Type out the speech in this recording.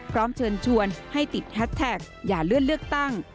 พร้อมเชิญชวนให้ติดแฮสแท็กอย่าเลื่อนเลือกตั้ง